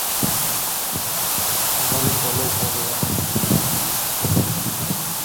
তাহলে চলো ভগবানকে জিজ্ঞেস করি।